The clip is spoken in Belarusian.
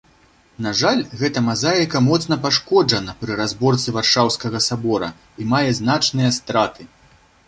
На жаль, гэта мазаіка моцна пашкоджана пры разборцы варшаўскага сабора і мае значныя страты.